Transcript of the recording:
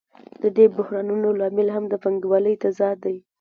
د دې بحرانونو لامل هم د پانګوالۍ تضاد دی